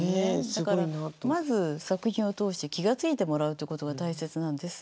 だからまず作品を通して気が付いてもらうということが大切なんです。